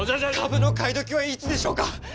株の買い時はいつでしょうか？